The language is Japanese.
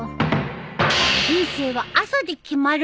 人生は朝で決まるんだ！